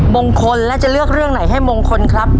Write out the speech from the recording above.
มงคลและจะเลือกเรื่องไหนให้มงคลครับ